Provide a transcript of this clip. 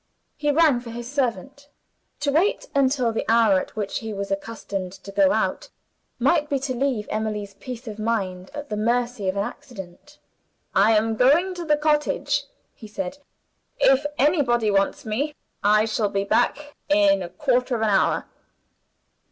He rang for his servant. To wait until the hour at which he was accustomed to go out, might be to leave Emily's peace of mind at the mercy of an accident. "I am going to the cottage," he said. "If anybody wants me, I shall be back in a quarter of an hour."